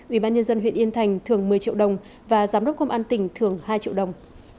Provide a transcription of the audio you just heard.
ubnd huyện yên thành thưởng một mươi triệu đồng và giám đốc công an tỉnh thưởng hai triệu đồng